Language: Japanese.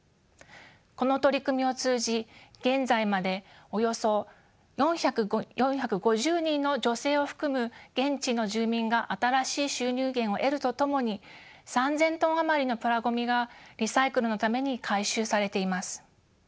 この取り組みを通じ現在までおよそ４５０人の女性を含む現地の住民が新しい収入源を得るとともに３，０００トン余りのプラごみがリサイクルのために回収されています。